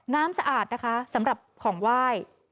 สะอาดนะคะสำหรับของไหว้